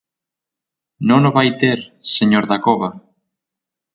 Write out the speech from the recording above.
Non o vai ter, señor Dacova.